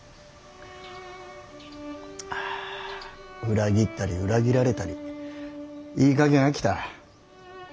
裏切ったり裏切られたりいいかげん飽きた。